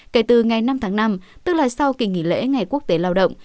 kể từ ngày năm tháng năm tức là sau kỳ nghỉ lễ ngày quốc tế lao động